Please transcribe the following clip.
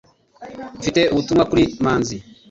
Mfite ubutumwa kuri manzi